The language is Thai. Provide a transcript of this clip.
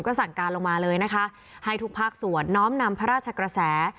สั่งการลงมาเลยนะคะให้ทุกภาคส่วนน้อมนำพระราชกระแส